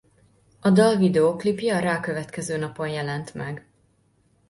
A dal videóklipje a rákövetkező napon jelent meg.